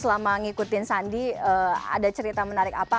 selama ngikutin sandi ada cerita menarik apa